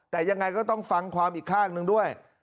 แต่ยังไงก็ต้องฟังความอีกข้างหนึ่งด้วย